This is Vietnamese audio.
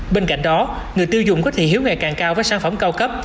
bên cạnh đó người tiêu dụng có thể hiếu nghề càng cao với sản phẩm cao cấp